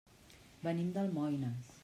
Venim d'Almoines.